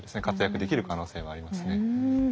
活躍できる可能性はありますね。